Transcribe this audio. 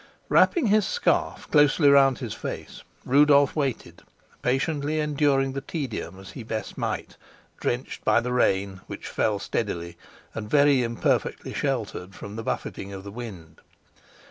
Wrapping his scarf closely round his face, Rudolf waited, patiently enduring the tedium as he best might, drenched by the rain, which fell steadily, and very imperfectly sheltered from the buffeting of the wind.